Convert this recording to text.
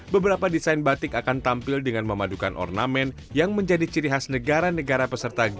beberapa desain batik akan tampil dengan memadukan ornamen yang menjadi ciri khas negara negara peserta g dua puluh